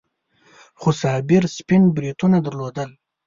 خو صابر سپين بریتونه درلودل.